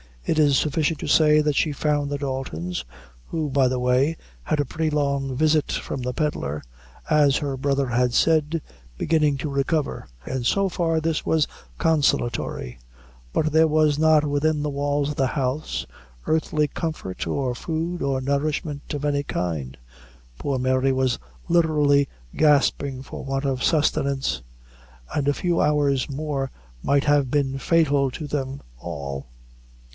It is sufficient to say, that she found the Daltons who, by the way, had a pretty long visit from the pedlar as her brother had said, beginning to recover, and so far this was consolatory; but there was not within the walls of the house, earthly comfort, or food or nourishment of any kind. Poor Mary was literally gasping for want of sustenance, and a few hours more might have been fatal to them all.